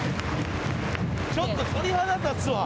ちょっと鳥肌立つわ。